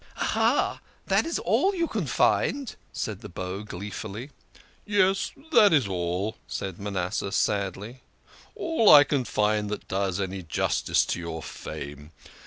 " Aha ! That is all you can find," said the Beau glee fully. " Yes, that is all," said Manasseh sadly. " All I can find that does any justice to your fame.